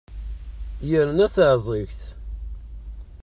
Yerna taεẓegt!